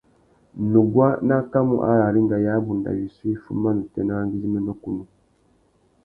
Nuguá nu akamú ararringa ya abunda wissú i fuma nà utênê râ ngüidjiménô kunú.